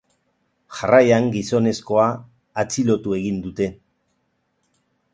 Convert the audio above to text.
Jarraian gizonezkoa atxilotu egin dute.